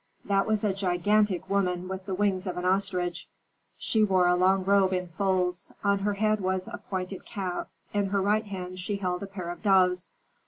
That was a gigantic woman with the wings of an ostrich. She wore a long robe in folds; on her head was a pointed cap, in her right hand she held a pair of doves.